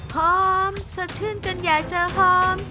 หอมสดชื่นจนอยากจะหอม